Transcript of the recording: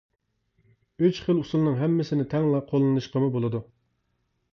ئۈچ خىل ئۇسۇلنىڭ ھەممىسىنى تەڭلا قوللىنىشقىمۇ بولىدۇ.